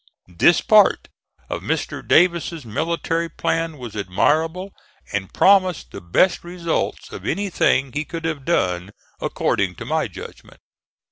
This part of Mr. Davis's military plan was admirable, and promised the best results of anything he could have done, according to my judgment.